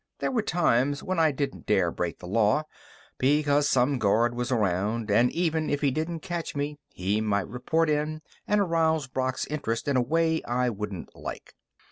There were times when I didn't dare break the law, because some guard was around, and, even if he didn't catch me, he might report in and arouse Brock's interest in a way I wouldn't like.